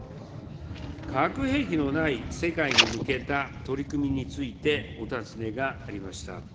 核兵器のない世界に向けた取り組みについて、お尋ねがありました。